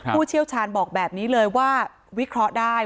ผู้เชี่ยวชาญบอกแบบนี้เลยว่าวิเคราะห์ได้